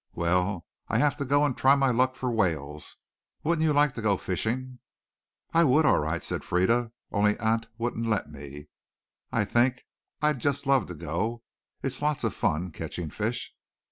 "Well, I have to go and try my luck for whales. Wouldn't you like to go fishing?" "I would, all right," said Frieda, "only aunt wouldn't let me, I think. I'd just love to go. It's lots of fun, catching fish."